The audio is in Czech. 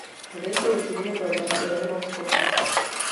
Hvězdou týmu byl tehdy Raymond Kopa.